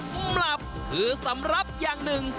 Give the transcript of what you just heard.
หมับคือสำหรับอย่างหนึ่ง